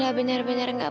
aku untuk tidak boleh